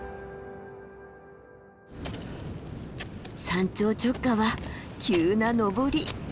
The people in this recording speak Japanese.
山頂直下は急な登り。